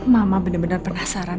mama bener bener penasaran